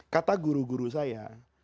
kata guru guru saya